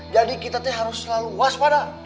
jadi kita harus selalu waspada